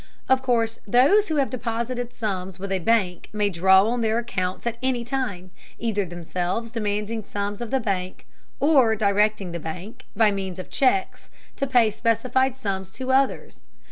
Of course, those who have deposited sums with a bank may draw on their accounts at any time, either themselves demanding sums of the bank, or directing the bank, by means of checks, to pay specified sums to others.